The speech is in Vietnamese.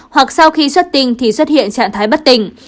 hoặc sau khi xuất tinh thì xuất hiện trạng thái bất tình